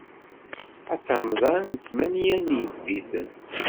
Aṭamḍan d tmenya n yibiten.